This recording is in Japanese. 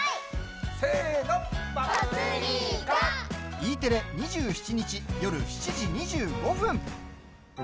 Ｅテレ、２７日、夜７時２５分。